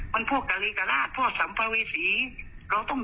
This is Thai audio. มันพวกกะลีกะลาดพวกสำภาวิสีเราต้องยอมมันเหรอ